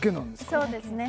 そうですね